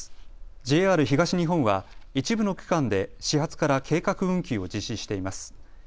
ＪＲ東日本は一部の区間で始発から計画運休を実施しています。